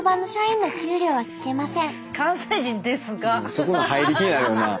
そこの入り気になるよな。